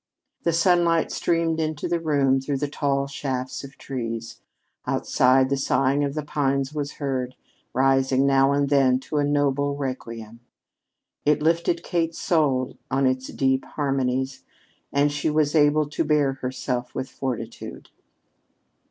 The sunlight streamed into the room through the tall shafts of trees; outside the sighing of the pines was heard, rising now and then to a noble requiem. It lifted Kate's soul on its deep harmonies, and she was able to bear herself with fortitude.